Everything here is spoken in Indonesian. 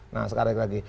nah sekarang lagi